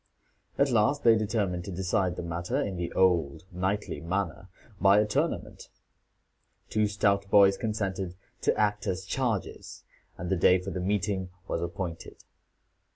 At last they determined to decide the matter in the old knightly manner, by a tournament. Two stout boys consented to act as chargers, and the day for the meeting was appointed.